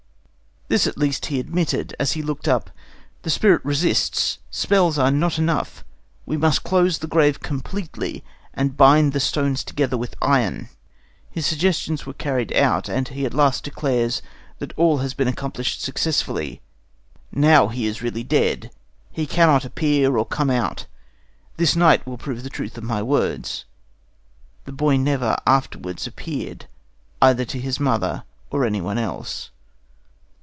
This at least he admitted, as he looked up: "The spirit resists. Spells are not enough. We must close the grave completely and bind the stones together with iron." His suggestions are carried out, and at last he declares that all has been accomplished successfully. "Now he is really dead. He cannot appear or come out. This night will prove the truth of my words." The boy never afterwards appeared, either to his mother or to anyone else.